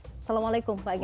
assalamualaikum pak gaya